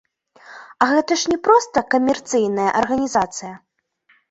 А гэта ж не проста камерцыйная арганізацыя.